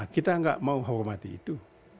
kita nggak mau hormati itu